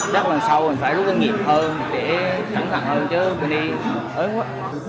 rất là sâu mình phải rút con nghiệp hơn để cẩn thận hơn chứ mình đi ớn quá